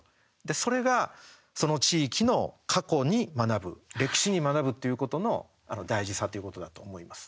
それがその地域の過去に学ぶ歴史に学ぶということの大事さということだと思います。